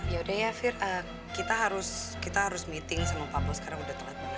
yaudah ya fir kita harus meeting sama publo sekarang udah telat banget